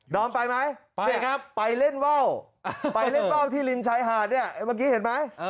อมไปไหมไปเล่นว่าวไปเล่นว่าวที่ริมชายหาดเนี่ยเมื่อกี้เห็นไหม